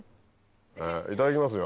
いただきますよ。